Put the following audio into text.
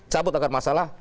cabut akan masalah